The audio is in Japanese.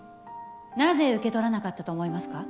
なぜ受け取らなかったと思いますか？